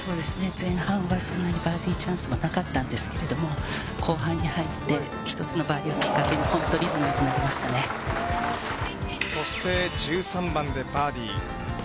前半はそんなにバーディーチャンスもなかったんですけれども、後半に入って、１つのバーディーをきっかけに、本当、そして、１３番でバーディー。